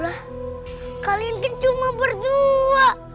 lah kalian kan cuma berdua